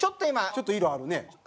ちょっと色あるね。